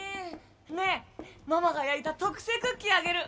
ねえ、ママが焼いた特製クッキーあげる。